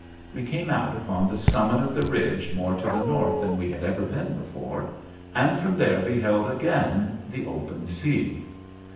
We came out upon the summit of the ridge more to the north than we had ever been before and from there beheld again the open sea.